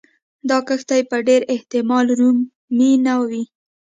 دا کښتۍ په ډېر احتمال رومي نه وې.